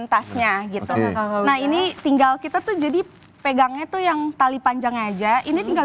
tasnya gitu nah ini tinggal kita tuh jadi pegangnya tuh yang tali panjang aja ini tinggal